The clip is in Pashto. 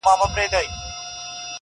• د شهپر او د خپل ځان په تماشا سو -